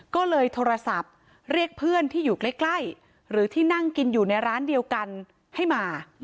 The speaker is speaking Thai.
ก็เลยโทรศัพท์เรียกเพื่อนที่อยู่ใกล้หรือที่นั่งกินอยู่ในร้านเดียวกันให้มา